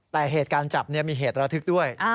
แต่เหตุการณ์จับมีเหตุระทึกด้วย